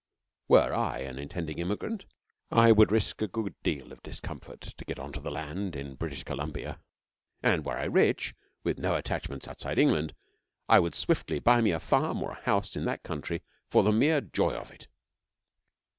Were I an intending immigrant I would risk a good deal of discomfort to get on to the land in British Columbia; and were I rich, with no attachments outside England, I would swiftly buy me a farm or a house in that country for the mere joy of it.